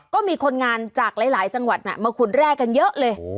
ก็มีคนงานจากหลายจังหวัดมาขุดแรกกันเยอะเลย